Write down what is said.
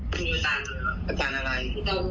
อะพี่ก็เนี่ย